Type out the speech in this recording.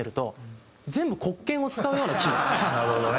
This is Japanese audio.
なるほどね。